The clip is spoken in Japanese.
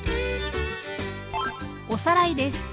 おさらいです。